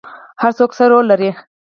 هر څوک څه رول لري؟